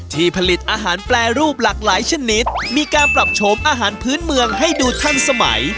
ที่ผลิตอาหารแปรรูปหลากหลายชนิดมีการปรับโฉมอาหารพื้นเมืองให้ดูทันสมัย